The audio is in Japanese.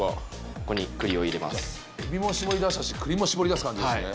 ここに栗を入れますエビも搾りだしたし栗も搾りだす感じですね